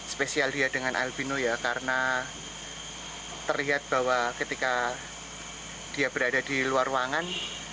spesial dia dengan albino ya karena terlihat bahwa ketika dia berada di luar ruangan